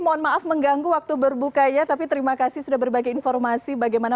mohon maaf mengganggu waktu berbukanya tapi terima kasih sudah berbagi informasi bagaimana